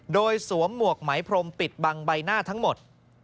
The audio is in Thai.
โดยสวมหมวกไหมพรมปิดบังใบหน้าทั้งหมด